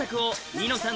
『ニノさん』